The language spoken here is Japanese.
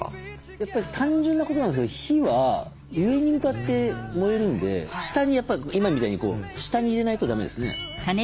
やっぱり単純なことなんですけど火は上に向かって燃えるんで今みたいに下に入れないとだめですね。